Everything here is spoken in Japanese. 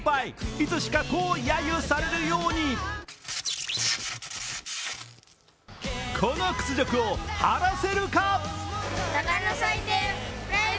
いつしか、こうやゆされるようにこの屈辱を晴らせるか。